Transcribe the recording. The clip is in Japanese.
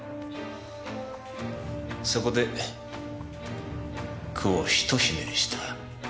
そこで句をひとひねりした。